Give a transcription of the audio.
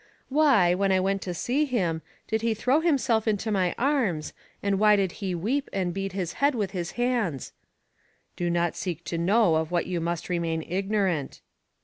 "Why, when I went to see him, did he throw himself into my arms, and why did he weep and beat his head with his hands?" "Do not seek to know of what you must remain ignorant."